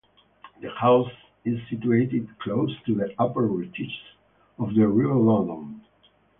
The house is situated close to the upper reaches of the River Loddon.